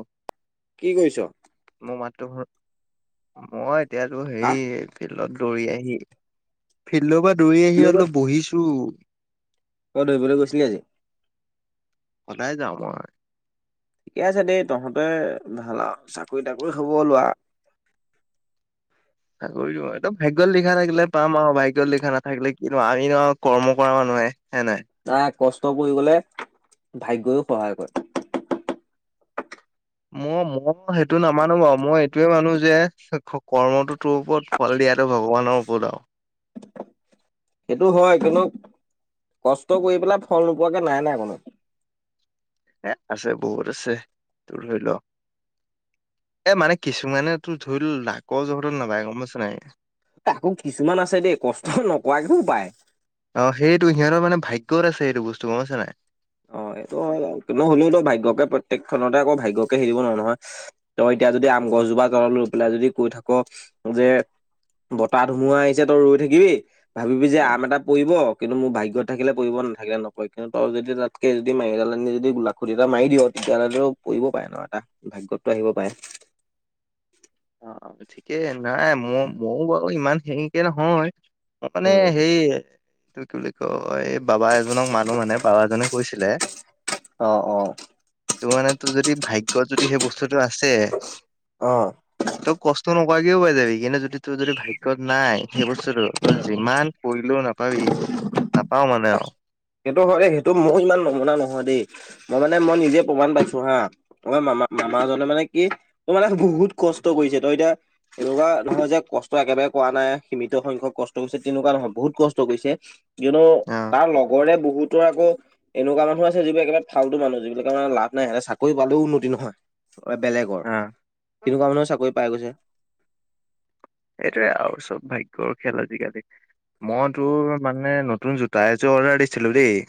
অ', কি কৰিছ? মোৰ মাততো, মই এতিয়াতো হেৰি হা? ফিল্ডত দৌৰি আহি ফিল্ডৰ পৰা দৌৰি আহি তই অলপ বহিছো। তই দৌৰিবলে গৈছিলি আজি? সদায় যাওঁ মই। ঠিকে আছে দেই তহঁতে ভাল আৰু চাকৰি তাকৰি হব আৰু লোৱা। চাকৰি একদম ভাগ্যত লিখা থাকিলে পাম আৰু, ভাগ্যৰ লিখা নাথাকিলে কিনো আমি নো কৰ্ম কৰা মানুহে। হয়, নাই। নাই কষ্ট কৰি গ'লে, ভগ্যয়ো সহায় কৰে। মই-মই সেইটো নামানো বাৰু মই এইটোয়ে মানো যে, কৰ্মটো তোৰ ওপৰত। ফল দিয়াটো ভগৱানৰ ওপৰত আৰু। সেইটো হয় কিন্তু কষ্ট কৰি পেলাই, ফল নোপোৱাকে নাই-নাই কোনো। এ আছে বহুত আছে তোৰ ধৰি ল। এ মানে কিছুমানে তোৰ ধৰি ল লাকৰ জহটো নাপায় গম পাইছ নাই। তাকো কিছুমান আছে দেই, কষ্ট নকৰাকেও পায়। অ, সেইটো সিহঁতৰ মানে ভাগ্যত আছে সেইটো বস্তু, গম পাইছ নে নাই। অ, এইটো হয় বাৰু, নহলেওতো ভাগ্যয়কে প্ৰত্যেকখনতে আকৌ ভাগ্যয়কে হেৰিব নোৱাৰোঁ নহয়। তই এতিয়া যদি আম গছজোপা তলত লৈ পেলাই যদি কৈ থাক যে, বতাহ ধুমুহা আহিছে তই ৰৈ থাকিবি? ভাবিবি যে এ আম এটা পৰিব কিন্তু মোৰ ভাগ্যত থাকিলে পৰিব নাথাকিলে নকয় কিন্তু তই যদি ত তকে যদি মাৰিডালনি যদি লাখুটি এটা মাৰি দিয়, তেতিয়াহলেটো পৰিব পাৰে ন এটা। ভাগ্যতটো আহিব পাৰে। অ, ঠিকেই নাই মই ময়ো বাৰু ইমান হেৰিকে নহয়। মানে উম। সেই এইটো কি বুলি কয় এই বাবা এজনক মানুহ মানে বাবা এজনে কৈছিলে। অ, অ, তোৰ মানে তোৰ যদি ভাগ্যত যদি সেই বস্তুতটো আছে, অ, তই কষ্ট নকৰাকেও পাই যাবি কিন্তু যদি তোৰ যদি ভাগ্যত নাই, সেই বস্তুতটো তই যিমান কৰিলোও নাপাবি নাপাও মানে আৰু। সেইটো হয় দেই সেইটো মোৰ ইমান নমুনা নহয় দেই, মই মানে মই নিজে প্ৰমাণ পাইছো হা। তই মামা-মামাজনে মানে কি তই মানে বহুত কষ্ট কৰিছে তই এতিয়া, এনেকুৱা নহয় যে, কষ্ট একেবাৰে কৰা নাই সীমিত সংখ্যক কষ্ট কৰিছে তেনেকুৱা নহয়, বহুত কষ্ট কৰিছে। কিয়নো অ', তাৰ লগৰে বহুতো আকৌ এনেকুৱা মানুহ আছে যিবিলাক একেবাৰে ফাল্টু মানুহ যিবিলাক মানে লাভ নাই চাকৰি পালেও উন্নতি নহয়। বেলেগৰ, অ', তেনেকুৱা মানুহ চাকৰি পাই গৈছে। সেইটোৱে আৰু চব ভাগ্যৰ খেল আজিকালি। মই তোৰ মানে নতুন জোতা এযোৰ অৰ্ডাৰ দিছিলো দেই,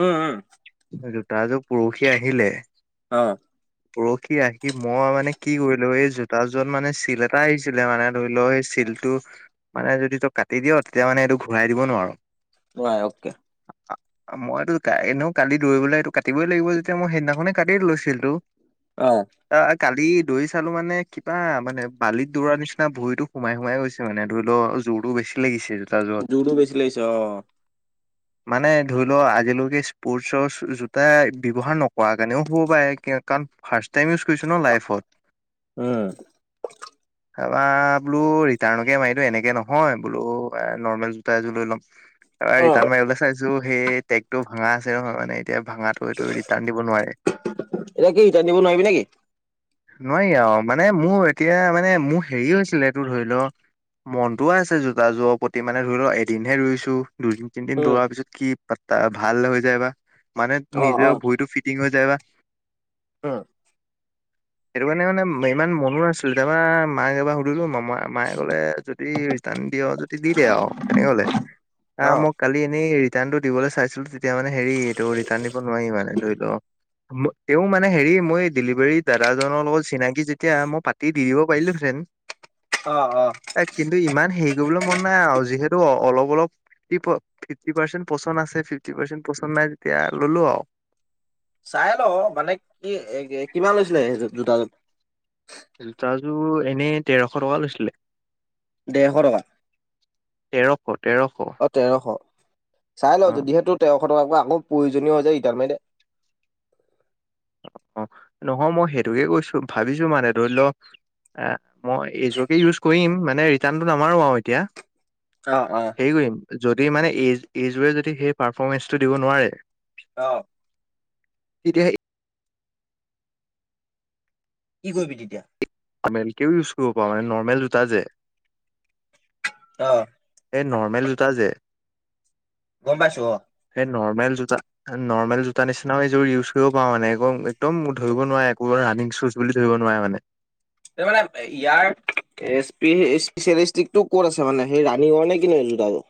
উম, উম, জোতা যুৰ পাৰখি আহিলে। অ, পৰখি আহি মই মানে কি কৰিলো, এই জোতা যোত মানে চিল এটা আহিছিলে মানে ধৰি লৈ চিলটো মানে যদি তোক কাটি দিয় তেতিয়া মানে এইটো ঘূৰাই দিব নোৱাৰো। নোৱাৰ অকে। [unintelligible] মইতো এনেও কালি দৌৰিবলৈ এইটো কাটিবই লাগিব যেতিয়া মই সেইদিনাখনে কাটি দিলোঁ চিলটো। অহ, অ, কালি দৌৰি চালো মানে কিবা মানে বালিত দৌৰাৰ নিচিনা ভৰিত, এইটো সোমাই সোমাই গৈছে মানে ধৰি ল' জোৰটো বেছি লাগিছে। জোতাযোৰত। জোৰটো বেছি লাগিছে অ'। [inaudible] মানে ধৰি ল আজিলৈকে স্পৰ্টছৰ জোতা ব্যৱহাৰ নকৰা কাৰণেও হ'ব পাৰে, কাৰণ ফাৰ্ষ্ট টাইম ইউজ কৰিছোঁ ন' লাইফত। উম। তাপা বোলো ৰিটাৰ্ণকে মাৰি দিওঁ এনেকে নহয় বোলো এ নৰ্মেল জোতা এযোৰ লৈ ল'ম তাপা অ ৰিটাৰ্ণ মাৰিবলৈ চাইছো সেই টেগতটো ভাঙা আছে নহয় মানে এতিয়া ভাঙাটো এইটো ৰিটাৰ্ণ দিব নোৱাৰে এতিয়া কি ৰিটাৰ্ণ দিব নোৱাৰিবি নেকি। নোৱাৰি আৰু মানে মোৰ এতিয়া মানে মোৰ হেৰি হৈছিলে তোৰ ধৰি ল' মনটোও আছে জোতাজোৰৰ প্ৰতি মানে ধৰি ল' এদিনহে ৰুইছো দুদিন তিনিদিন উম দৌৰা পিছত কি প ভাল হৈ যায় বা, মানে অ নিজৰ অ ভৰিতটো ফিটিং হৈ যায় বা অ'। সেইটো কাৰণে মানে ইমান মনো নাছিলে, তাপা মাক এবাৰ সুধিলো মামা মায়ে ক'লে যদি ৰিটাৰ্ণ দিয় যদি দি দে আৰু তেনেকে ক'লে আহ অ'। মোক কালি এনেই ৰিটাৰ্ণটো দিবলৈ চাইছিলো তেতিয়া মানে হেৰি এইটো ৰিটাৰ্ণ দিব নোৱাৰি মানে ধৰি ল' তেওঁ মানে হেৰি মই ডেলিভাৰীত দাদাজনৰ লগত চিনাকি যেতিয়া মই পাতি দি দিব পাৰিলো হেঁতেন। অ', অ'। কিন্তু ইমান হেৰি কৰিবলৈ মন নাই আৰু যিহেতু অলপ অলপ প ফিফটি পাৰ্চেণ্ট পচন্দ আছে ফিফটি পাৰ্চেণ্ট পচন্দ নাই তেতিয়া ল'লো আৰু চাই ল', মানে কি কিমান লৈছিলে সেইযোৰ জোতাযোৰ? জোতাযোৰ এনেই তেৰশ টকা লৈছিলে। ডেৰশ টকা তেৰশ তেৰশ। অ', তেৰশ, চাই ল অ যদিহে তোৰ তেৰশ টকাক আকৌ প্ৰয়োজনীয় হৈ যায় ৰিটাৰ্ণ মাৰে অ', নহয় মই সেইটোকে কৈছো ভাবিছো মানে ধৰি ল' এ মই এইযোৰকে ইউজ কৰিম মানে ৰিটাৰ্ণটো নামাৰো আৰু এতিয়া। অ', অ'। হেৰি কৰিম যদি মানে এই এইযোৰে যদি সেই পাৰফমেঞ্চটো দিব নোৱাৰে অ'। তেতিয়া কি কৰিবি তেতিয়া? আমি [unintelligible] একেও ইউজ কৰিব পাৰো মানে নৰ্মেল জোতা যে অ'। এই নৰ্মেল জোতা যে গম পাইছো অ'। সেই নৰ্মেল জোতা নৰ্মেল জোতা নিচিনাও এযোৰ ইউজ কৰিব পাৰো মানে এক একদম ধৰিব নোৱাৰে একো ৰানিং চোজ বুলি ধৰিব নোৱাৰে মানে। মানে ইয়াৰ স্পেচিয়েলিষ্টিকটো ক'ত আছে মানে? সেই ৰাণীঙৰ নে কি জোতাযোৰ।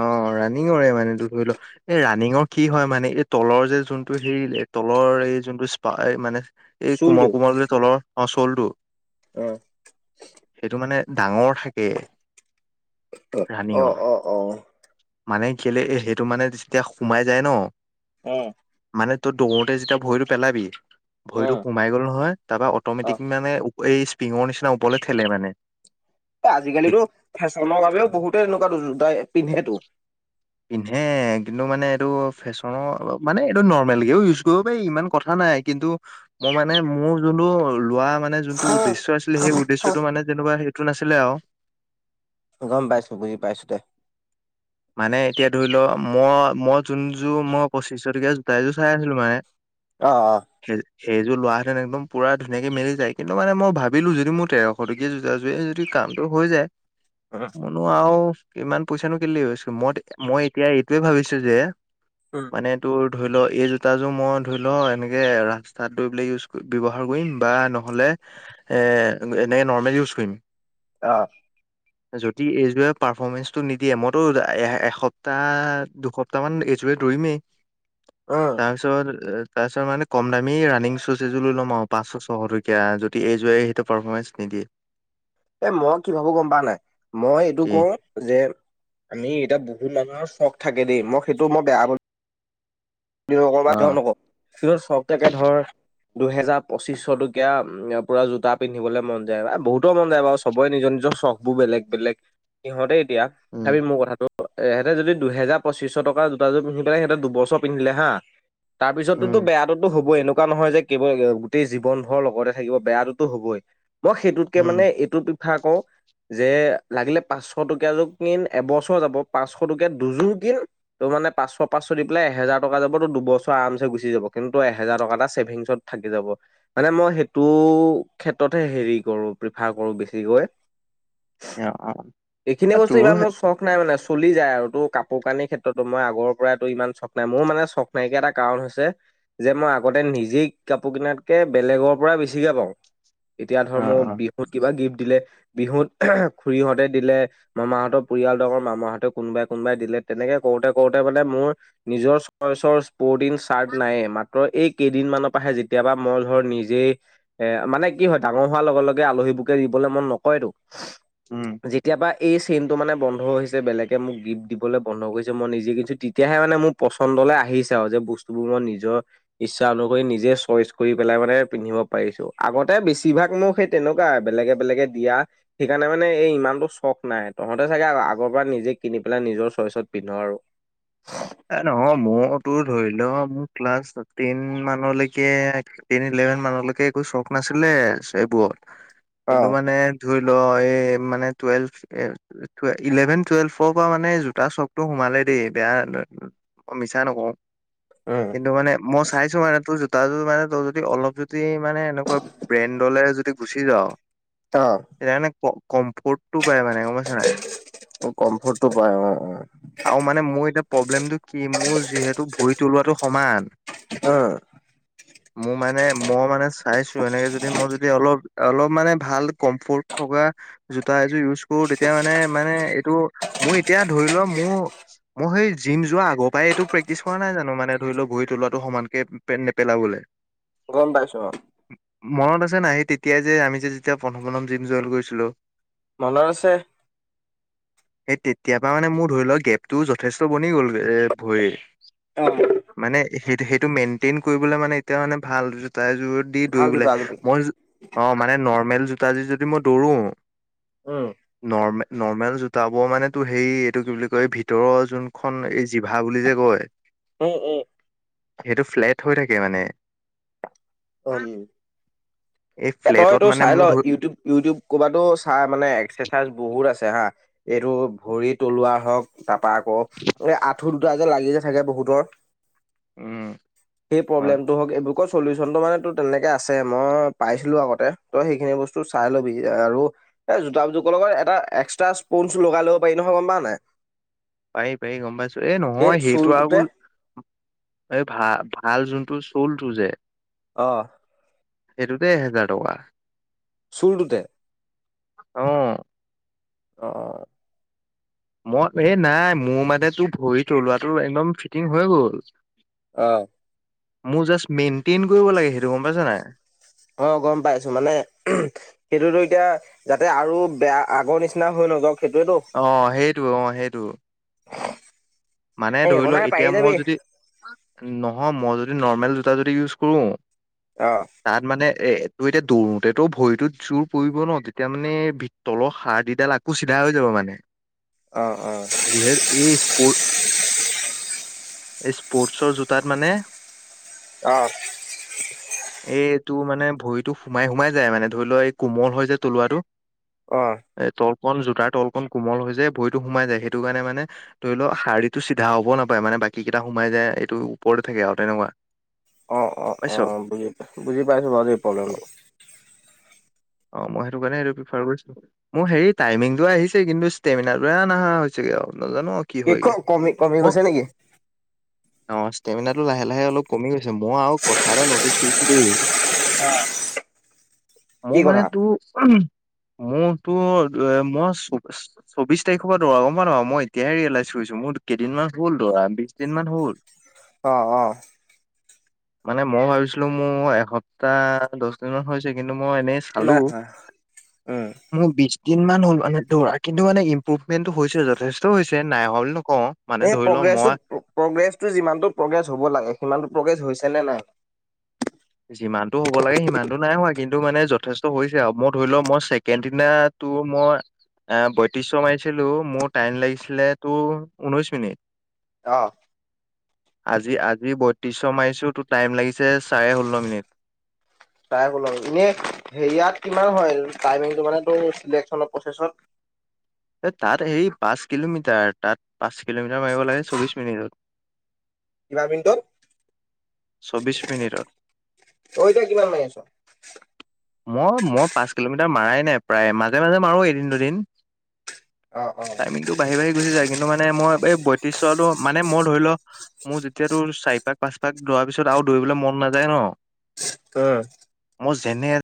অ', ৰাণিঙৰে মানে ধৰি ল' এই ৰাণিঙৰ কি হয় মানে এই তলৰ যে যোনটো হেৰি তলৰ এই যোনটো স্পা মানে এই চুৰটো কোমল কোমল বুলি তলৰ অ', চলটো উম। সেইটো মানে ডাঙৰ থাকে। অ', ৰানিঙৰ অ', অ'। মানে কেলে এই সেইটো মানে যেতিয়া সোমাই যায় ন' অ'। মানে তই দৌৰোতে যেতিয়া ভৰিটো পেলাবি ভৰিটো উম, সো সোমাই গ'ল নহয় তাৰপৰা অ', অট'মেটিক মানে এই স্প্ৰিঙৰ নিচিনা ওপৰলে ঠেলে মানে। আজিকালিতো ফেশ্বনৰ বাবেও বহুতে এনেকুৱা জোতা পিন্ধেটো। পিন্ধে কিন্তু মানে এইটো ফেশ্বনৰ অলপ মানে এইটো নৰ্মেলকেও ইউজ কৰিব পাৰি ইমান কথা নাই। কিন্তু মই মানে মোৰ যোনটো লোৱা মানে মানে যোনটো উদেশ্য আছিলে সেই উদেশ্যটো মানে তেনেকুৱা সেইটো নাছিলে আৰু। গম পাইছো বুজি পাইছো দে। মানে এতিয়া ধৰি ল মই মই যোনযোৰ মই পঁচিছশ টকীয়া জোতা এযোৰ চাই আছিলো মানে অ অ। সেই সেইযোৰ লোৱাহেতেন একদম পোৰা ধুনীয়াকে মেলি যায় কিন্তু মানে মই ভাবিলো যিহেতু মোৰ তেৰ শ টকীয়া জোতাযোৰেই যদি কামটো হৈ যায় [unintelligible] নো আও ইমান পইচানো কেলে ৱেষ্ট কৰো মই মই এতিয়া এইটোয়ে ভাবিছো যে উম। মানে তোৰ ধৰি ল এই জোতাযোৰ মই ধৰি ল এনেকে ৰাস্তাত দৌৰিবলে ইউজ কৰিম বা ব্যৱহাৰ কৰিম বা নহ'লে এনেকে নৰ্মেল ইউজ কৰিম। অ। যদি এইযোৰে পাৰফৰ্মেঞ্চটো নিদিয়ে মই তোৰ এ এসপ্তাহ, দুসপ্তাহ মান এইযোৰে দৌৰিমেই। অ। তাৰপিছত তাৰপিছত মানে কম দামী ৰানিং চোজ এযোৰ লৈ ল'ম আৰু পাঁচশ ছশ টকীয়া যদি এইযোৰে সেইটো পাৰফৰ্মেঞ্চ নিদিয়ে। এ মই কি ভাবো গম পাৱ নাই মই এইটো কি কওঁ যে আমি এতিয়া বহুত মানুহৰ চখ থাকে দেই মই সেইটো মই বেয়া বুলি বুলি অ নকওঁ [unintelligible] কিন্তু চখ থাকে ধৰ দুহেজাৰ, পঁচিশ টকীয়া পোৰা জোতা পিন্ধিবলে মন যায় বহুতৰ মন যায় বাৰু চবৰে নিজৰ নিজৰ চখ বোৰ বেলেগ বেলেগ সিহঁতে এতিয়া উম চাবি মোৰ কথাটো এহেতে যদি দুহেজাৰ পঁচিশ টকা জোতাযোৰ পিন্ধি পেলাই সিহঁতে দুবছৰ পিন্ধিলে হা। তাৰপিছত তুটো উম বেয়াটোতো হ'বয়ে এনেকুৱা নহয় যে কেৱল গোটেই জীৱন ভৰ লগতে থাকিব বেয়া টো হ'বই মই সেইটোতকে উম মানে এইটো প্ৰিফাৰ কৰো যে লাগিলে পাঁচশ টকীয়াযোৰ কিন এবছৰ যাব, পাঁচশ টকীয়া দুযোৰ কিন তোৰ মানে পাঁচশ, পাঁচশ দি পেলাই এহেজাৰ টকা যাব তোৰ দুবছৰ আৰামচে গুচি যাব কিন্তু এহেজাৰ টকা এটা ছেভিংছত থাকি যাব। মানে মই সেইটো ক্ষেত্ৰতহে হেৰি কৰো প্ৰিফাৰ কৰো বেছিকৈ। অ এইখিনি অ বস্তু ইমান তোৰ মোৰ চখ নাই মানে চলি যায় আৰু তোৰ কাপোৰ-কানিৰ ক্ষেত্ৰতো মই আগৰ পৰাই তোৰ ইমান চখ নাই মোৰ মানে চখ নাইকিয়া এটা কাৰণ হৈছে যে মই আগতে নিজেই কাপোৰ কিনাতকে বেলেগৰ পৰা বেছিকে পাওঁ। এতিয়া অ ধৰ মোক অ বিহুত কিবা গিফ্ট দিলে বিহুত খুৰীহঁতে দিলে, মামাহঁতৰ পৰিয়ালটো আমাৰ মামাহঁতৰ কোনোবাই কোনোবাই দিলে তেনেকে কৰোতে কৰোতে মানে মোৰ নিজৰ চইচৰ স্প'ৰ্টিং, চাৰ্ট নাইয়ে মাত্ৰ মাত্ৰ এই কেইদিনমানৰ পৰাহে যেতিয়াপা মই ধৰ নিজেই এ মানে কি হয় ডাঙৰ হোৱাৰ লগে লগে আলহী বোৰকে দিবলে মন নকৰেটো উম যেতিয়াৰ পা এই চেইনটো মানে বন্ধ হৈছে বেলেগে মোক গিফ্ট দিবলৈ বন্ধ কৰিছে মই নিজে কিনছো তেতিয়াহে মানে মোৰ পচন্দলে আহিছে আও যে বস্তুবোৰ মই নিজৰ ইচ্ছা অনুসৰি নিজে চইচ কৰি পেলাই মানে পিন্ধিব পাৰিছো, আগতে বেছিভাগ মোক সেই তেনেকুৱাই বেলেগে বেলেগে দিয়া সেইকাৰণে মানে এই ইমানটো চখ নাই তহঁতে চাগে আগৰ পৰাই নিজে কিনি পেলাই নিজৰ চইচত পিন্ধ আৰু। [unintelligible] এ, নহয়। মইয়োতো ধৰি ল', মোৰ ক্লাছ টেন মানলৈকে টেন-ইলেভেন মানলৈকে, একো চখ নাছিলে, এইবোৰত। অ কিন্তু মানে, ধুৰি ল, এই মানে, টুৱেলভ ইলেভেন-টুৱেল্ভৰ পৰা মানে, জোতা চখটো সোমালে দেই, বেয়া! উম! মই মিছা নকওঁ। উম কিন্তু মানে, মই চাইছোঁ মানে, তো তাৰ যোৰ মানে, তোৰ যদি, অলপ যদি মানে, এনেকুৱা ব্ৰেণ্ডলে যদি, গুচি যাওঁ! [unintelligible] [unintelligible] কমফৰ্ট। তো পৰাই মানে, গম পাইছ নাই? অ কমফৰ্টটো পায় অ অ আৰু মানে, মোৰ এতিয়া, প্ৰব্লেমটো কি? মোৰ যিহেতু, ভৰি তলোৱাটো সমান। অ'! [unintelligible] মোৰ মানে, মই মানে চাইছোঁ! এনেকে যদি, মই যদি অলপ, অলপ মানে, ভাল কমফৰ্ট থকা জোতা এযোৰ ইউজ কৰোঁ। তেতিয়া মানে, মানে এইটো, মই এতিয়া ধৰি লোৱা, মোৰ মই, সেই জিম যোৱা আগৰ পৰাই, এইটো প্ৰেক্টিচ কৰা নাই জানোঁ? মানে ধৰি লওঁ, ভৰি তলোৱাটো সমানকে নেপেলাবলে। গম পাইছোঁ, অ'! মনত আছে নাই? সেই তেতিয়াই যে, আমি যে যেতিয়া, প্ৰথম, প্ৰথম জিম জইন কৰিছিলোঁ! মনত আছে। সেই, তেতিয়াৰ পৰা মানে, মোৰ ধৰি লওঁক, গেপটোও যথে তো বনি গ'ল এ, ভৰি। অ'! মানে, সেই সেইটো, মেইনটেইন কৰিবলৈ মানে, এতিয়া মানে, ভাল জোতা এযোৰ দি ভাল জোতা দৌৰিবলে। আজিকালি মই, [unintelligible] অ'! মানে, নৰ্মেল জোতা যদি, মই দৌৰো! উম! নৰ্মে, নৰ্মেল জোতাবোৰ মানে, তোৰ হেৰি, এইটো কি বুলি কয়! এই ভিতৰৰ যোন এইখন, এই জিভা বুলি যে, কয়! অ' অ'! সেইটো, ফ্লেট হৈ থাকে, মানে। উম! এই [unintelligible] ফ্লেটত এইটো মানে চাই মোৰ ল'? ধ ইউটিউব ইউটিউব, ক'ৰবাতো চাই মানে, এক্সাৰচাইজ বহুত আছে, হা। এইটো, ভৰি তলোৱাৰ হওঁক। তাৰপৰা আকৌ, এ, আঁঠু দুটা যে, লাগি যে থাকে, বহুতৰ। উম সেই, হয় প্ৰব্লেমটো হওঁক, এইবোৰ [unintelligible] চলিউচন চলিউচনটো মানে, তোৰ তেনেকে আছে। মই পাইছিলোঁ, আগতে। ত' সেইখিনি বস্তু, চাই ল'বি আৰু? এ, জোতা জোখৰ লগত, এটা এক্সট্ৰা স্পঞ্জ লগাই ল'ব পাৰি, নহয়! গম পাওঁ নাই? পাৰি, পাৰি, গম পাইছোঁ। এ সেই নহয়, সেইটো চুলটোতে আকৌ এই ভাল, ভাল যোনটো চ'লটো যে। অ'! সেইটোতে, এহেজাৰ টকা। চ'লটোতে? অ'! অ'! মই, এই নাই। মোৰ মানে, তোৰ ভৰি তলোৱাটো, একদম ফিটিং হৈ গ'ল। অ'! মোৰ জাষ্ট, মেইনটেইন কৰিব লাগে। সেইটো, গম পাইছ নাই? অ'! গম পাইছোঁ। মানে, [unintelligible] সেইটোতো এতিয়া, যাতে আৰু বেয়া, আগৰ নিচিনা হৈ নযওঁক! সেইটোৱেতো। অ'! সেইটো, অ'! সেইটো। [unintelligible] মানে ধৰি একো লও নাই পাৰি এতিয়া যাবি মই যদি নহয়, মই যদি নৰ্মেল জোতা যদি ইউজ কৰো অ'। তাত মানে, এ তোৰ এতিয়া দৌৰোতে তো ভৰিটোত জোৰ পৰিব ন' তেতিয়া মানে তলৰ হাৰ দিডাল আকৌ চিধা হৈ যাব মানে। অ', অ'। [unintelligible] এই স্পৰ্টচৰ জোতাত মানে অ'। এই এইটো মানে ভৰিতো সোমাই সোমাই যায় মানে, ধৰি লোৱা এই কোমল হয় যে তলুৱাটো। অ'। এ তলকন জোতাৰ তলকন কোমল হৈ যায় ভৰিতো সোমাই যায়, সেইটো কাৰণে মানে ধৰি লও হাৰ্ডিতো চিধা হ'ব নাপায়, মানে বাকীকেইটা সোমাই যায়। এইটো ওপৰতে থাকে, আৰু তেনেকুৱা। অ', অ', পাইছ অ'। বুজি পাই, বুজি পাইছো বাৰু প্ৰব্লেমটো। অ', মই সেইটো কাৰণে এই প্ৰিফাৰ কৰিছো। মোৰ হেৰি টাইমিংটো আহিছে, কিন্তু ষ্টেমিনাটোহে নাহা হৈছেগে আৰু নাজানো কি হয় ক গে, কমি কমি মোক গৈছে নেকি অ', ষ্টেমিনাৰটো লাহে লাহে অলপ কমি গৈছে, মই আৰু কথা এটা নটিছ কৰিছো দেই। অ'। মোৰ মান টোৰ, মোৰতো মই চৌবিশ তাৰিখৰ পৰা দৌৰা, গম [unintelligible] না মই এতিয়াহে ৰিয়েলাইজ কৰিছো, মোৰ কেইদিনমান হ'ল দৌৰা বিশ দিনমান হল অ', অ'। মানে মই ভাবিছিলো মোৰ এসপ্তাহ, দশ দিনমান হৈছে কিন্তু মই এনে চালো। নাই হোৱা উম। মোৰ বিশ দিন মান হ'ল মানে দৌৰা, কিন্তু মানে ইম্প্ৰুভমেন্টটো হৈছে। যথেষ্ট হৈছে, নাই হোৱা বুলি নকওঁ। মানে এই ধৰি লও মই প্ৰগ্ৰেছটো, প্ৰগ্ৰেছটো যিমানটো প্ৰগ্ৰেছ হ'ব লাগে সিমানটো প্ৰগ্ৰেছ হৈছে নে নাই? যিমানটো হ'ব লাগে সিমানটো নাই হোৱা, কিন্তু মানে যথেষ্ট হৈছে আৰু। মই ধৰি লোৱা, মই ছেকেণ্ড দিনা তো মই এ বত্ৰিশ' মাৰিছিলো, মোৰ টাইম লাগিছিলে তোৰ ঊনৈশ মিনিট। অহ। আজি আজি বত্ৰিশ' মাৰিছো, তো টাইম লাগিছে চাৰে ষোল্ল মিনিট। [inaudible] চাৰে ষোল্ল মিনিট, এনে হেৰিয়াত কিমান হয় টাইমিংটো মানে তোৰ চিলেক্টচনৰ প্ৰচেছত? এ তাত হেৰি পাঁচ কিলোমিটাৰ, তাত পাঁচ কিলোমিটাৰ মাৰিব লাগে চৌবিশ মিনিটত। কিমান মিনিটত? চব্বিশ মিনিটত। তই এতিয়া কিমান মাৰি আছ'? মই মই পাঁচ কিলোমিটাৰ মাৰাই নাই প্ৰায়, মাজে মাজে মাৰো এদিন দুদিন। অ', অ'। টো বাঢ়ি বাঢ়ি গুচি যায়, কিন্তু মানে মই এই বত্ৰিশতো মানে মই ধৰি ল মোৰ যেতিয়া তোৰ চাৰি পাক, পাঁচপাক দৌৱাৰ পিছত আৰু দৌৰিবলৈ মন নাযায় নহ। উম। মোৰ যেনে